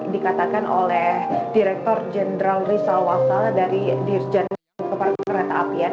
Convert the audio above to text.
dikatakan oleh direktur jenderal risa wasal dari jenderal kepala kereta apian